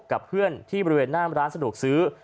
กับเพื่อนที่บริเวณหน้าร้านสะดวกซื้อ